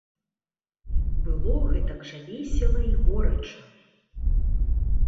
Было гэтак жа весела і горача.